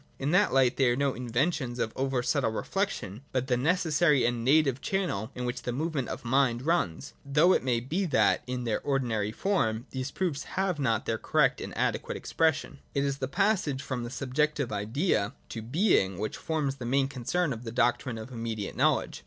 In that light they are no inventions of an over subtle reflection, but the necessary and native channel in which the movement of mind runs : though it may be that, in their ordinary form, these proofs have not their correct and adequate expression. 69.] It is the passage (§ 64) from the subjective Idea to being which forms the main concern of the doctrine of immediate knowledge.